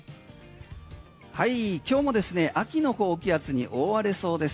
今日もですね秋の高気圧に覆われそうです。